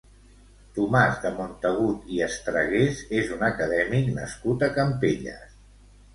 Tomàs de Montagut i Estragués és un acadèmic nascut a Campelles.